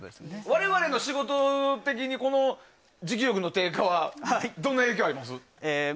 我々の仕事的に持久力の低下はどんな影響あります？